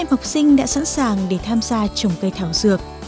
các em học sinh đã sẵn sàng để tham gia trồng cây thảo dược